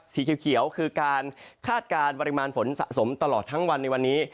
สีเขียวคือการคาดการณ์ปริมาณฝนสะสมตลอดทั้งวันในวันนี้